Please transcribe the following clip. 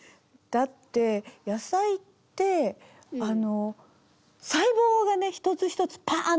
だって野菜ってあの細胞がね一つ一つパンと張ってるの。